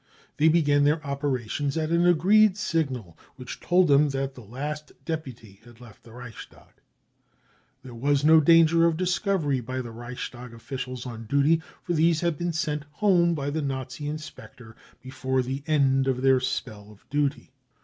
They began their operations at an agreed signal which told them that the last deputy had left the Reichstag. There was no danger of discovery by the Reichs tag officials on duty, for these had been sent home by the Nazi inspector before the end of their spell of duty.